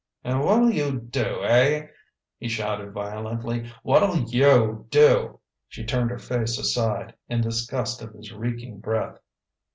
"And what'll you do, eh?" he shouted violently. "What'll you do?" She turned her face aside, in disgust of his reeking breath.